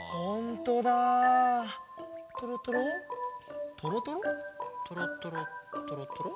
とろとろとろとろ？